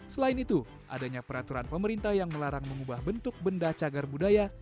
selain itu adanya peraturan pemerintah yang melarang mengubah bentuk benda cagar budaya